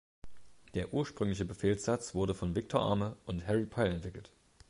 Der ursprüngliche Befehlssatz wurde von Victor Arme und Harry Pyle entwickelt.